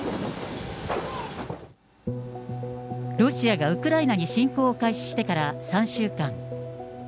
ロシアがウクライナに侵攻を開始してから３週間。